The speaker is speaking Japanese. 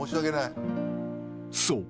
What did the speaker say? ［そう。